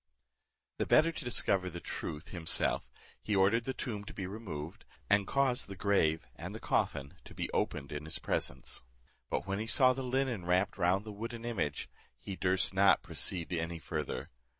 The better to discover the truth himself, he ordered the tomb to be removed, and caused the grave and the coffin to be opened in his presence; but when he saw the linen wrapped round the wooden image, he durst not proceed any farther.